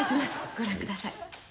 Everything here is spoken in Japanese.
ご覧ください。